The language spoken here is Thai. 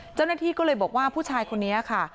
เจ้าหน้าที่ก็เลยบอกว่าผู้ชายคนนี้ค่ะ